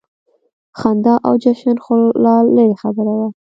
خندا او جشن خو لا لرې خبره وه.